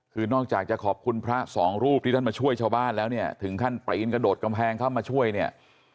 คือนอกจากจะขอบคุณพระสองรูปที่ท่านมาช่วยชาวบ้านแล้วเนี่ยถึงขั้นปีนกระโดดกำแพงเข้ามาช่วยเนี่ย